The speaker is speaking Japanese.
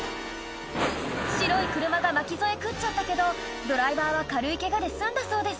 白い車が巻き添え食っちゃったけどドライバーは軽いケガで済んだそうです